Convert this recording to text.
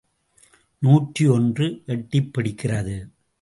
நூற்று ஒன்று எட்டிப் பிடிக்கிறது.